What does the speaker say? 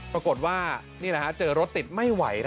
ปรากฏว่าเจอรถติดไม่ไหว